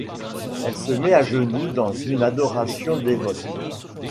Elle se met à genoux dans une adoration dévote.